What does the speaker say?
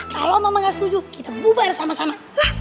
kalau mama tidak setuju kita bubar sama sama